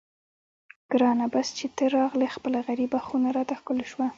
ګرانه بس چې ته راغلې خپله غریبه خونه راته ښکلې شوه.